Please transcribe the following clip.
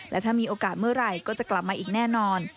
และถ้ามีโอกาสเมื่อไหร่ก็จะกลับมาอีกแน่นอน